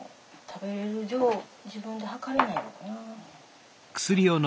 食べれる量自分ではかれないのかな。